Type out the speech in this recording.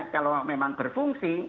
kalau memang berfungsi